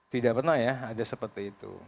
tidak pernah ya ada seperti itu